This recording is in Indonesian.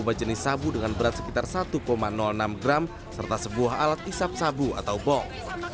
dua jenis sabu dengan berat sekitar satu enam gram serta sebuah alat isap sabu atau bong